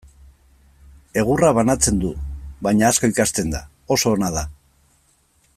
Egurra banatzen du, baina asko ikasten da, oso ona da.